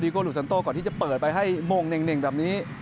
โกหุสันโต้ก่อนที่จะเปิดไปให้มงเน่งแบบนี้